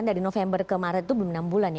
dari november ke maret itu belum enam bulan ya